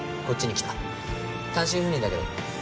単身赴任だけど。